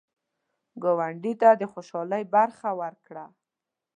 ګاونډي ته د خوشحالۍ برخه ورکړه